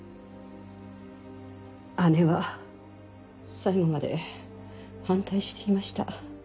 姉は最後まで反対していました。